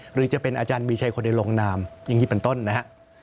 หรือจะเป็นอาจารย์มีชัยคนได้ลงนามอย่างนี้เป็นต้นนะครับ